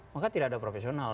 maka tidak ada profesional